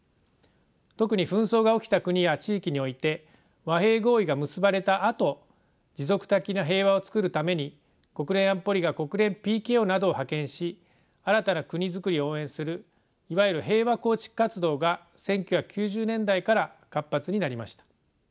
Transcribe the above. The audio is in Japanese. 特に紛争が起きた国や地域において和平合意が結ばれたあと持続的な平和を作るために国連安保理が国連ＰＫＯなどを派遣し新たな国づくりを応援するいわゆる平和構築活動が１９９０年代から活発になりました。